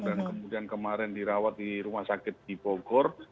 dan kemudian kemarin dirawat di rumah sakit di bogor